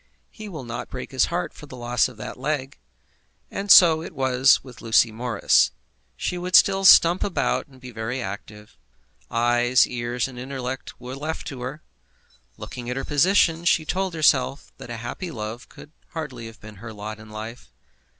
He will not break his heart for the loss of that leg. And so it was with Lucy Morris. She would still stump about and be very active. Eyes, ears, and intellect were left to her. Looking at her position, she told herself that a happy love could hardly have been her lot in life.